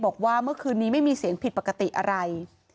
บอกว่าเมื่อคืนนี้ไม่มีเสียงผิดปกติอะไร